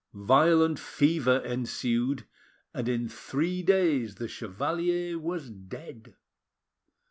Violent fever ensued, and in three days the chevalier was dead.